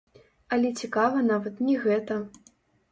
Але цікава нават не гэта.